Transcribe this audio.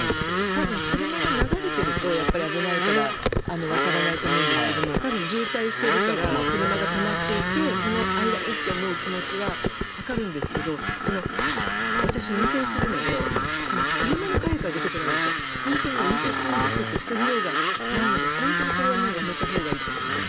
多分、車が流れていると危ないから渡らないと思うんですけど多分、渋滞しているから車が止まっていてこの間にと思う気持ちはわかるんですけど私、運転するので車の陰から出てこられると本当に運転するほうも防ぎようがないのでこれはやめたほうがいいと思います。